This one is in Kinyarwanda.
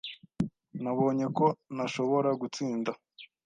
Nabonye ko ntashobora gutsinda.